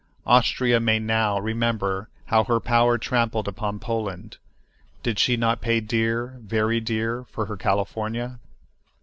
Austria may now remember how her power trampled upon Poland. Did she not pay dear, very dear, for her California?